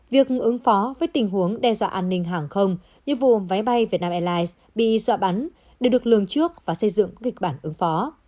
việc ứng phó với tình huống đe dọa an ninh hàng không như vùng vé bay vietnam airlines bị dọa bắn đều được lường trước và xây dựng kịch bản ứng phó